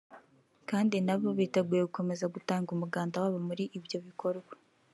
kandi na bo biteguye gukomeza gutanga umuganda wabo muri ibyo bikorwa